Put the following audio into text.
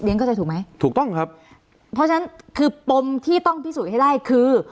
เข้าใจถูกไหมถูกต้องครับเพราะฉะนั้นคือปมที่ต้องพิสูจน์ให้ได้คือ